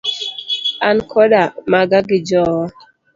An koda maga gi jowa.